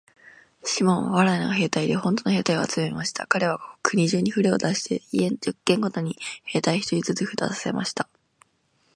シモンは藁の兵隊でほんとの兵隊を集めました。かれは国中にふれを出して、家十軒ごとに兵隊一人ずつ出させました。